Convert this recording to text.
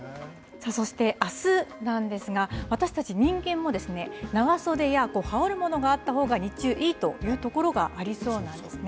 そしてあすなんですが、私たち人間も、長袖や羽織るものがあったほうが、日中いいという所がありそうなんですね。